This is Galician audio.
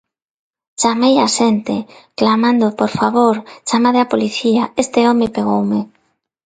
"Chamei á xente", clamando "por favor, chamade á Policía, este home pegoume".